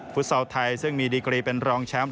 ฟอลไทยซึ่งมีดีกรีเป็นรองแชมป์